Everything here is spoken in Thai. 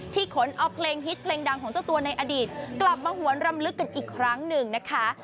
ขนเอาเพลงฮิตเพลงดังของเจ้าตัวในอดีตกลับมาหวนรำลึกกันอีกครั้งหนึ่งนะคะ